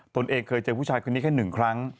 ตัวเองเคยเจอผู้ชายคนนี้แค่หนึ่งครั้ง